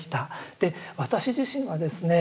で私自身はですね